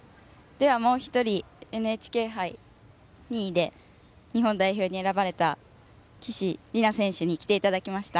では、もう１人ＮＨＫ杯２位で日本代表に選ばれた岸里奈選手に来ていただきました。